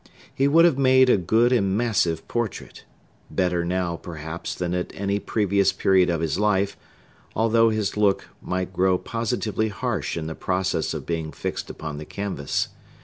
He would have made a good and massive portrait; better now, perhaps, than at any previous period of his life, although his look might grow positively harsh in the process of being fixed upon the canvas.